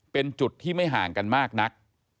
เป็นจุดที่ไม่ห่างกันมากนัก